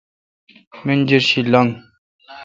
منجرشی لنگ۔